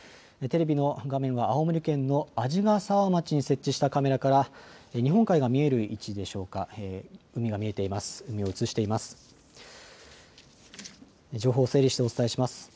テレビの画面は青森県の鰺ヶ沢町に設置したカメラから日本海が見える位置でしょうか、海が見えています。